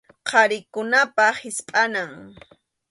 Qharikunapa hispʼanan.